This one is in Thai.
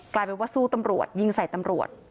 กลายเป็นว่าสู้ตำรวจยิงใส่ตำรวจ